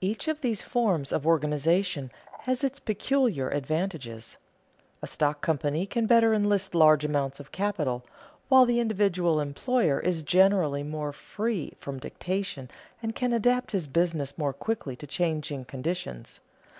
Each of these forms of organization has its peculiar advantages. A stock company can better enlist large amounts of capital, while the individual employer is generally more free from dictation and can adapt his business more quickly to changing conditions.